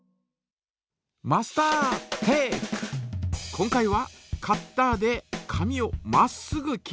今回はカッターで紙をまっすぐ切る。